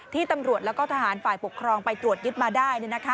ที่ตำรวจแล้วก็ทหารฝ่ายปกครองไปตรวจยึดมาได้